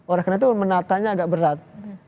oleh karena itu menatanya agak berat